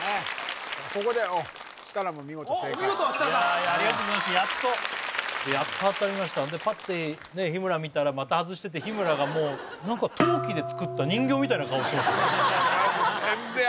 ここでおっお見事設楽さんありがとうございますやっとやっと当たりましたパッて日村見たらまた外してて日村がもう何か陶器で作った人形みたいな顔してましたね